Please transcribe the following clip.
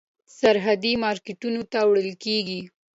سرحدي مارکېټونو ته وړل کېږي.